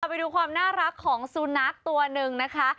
ไปดูความน่ารักของสุนัขตัวหนึ่งนะคะ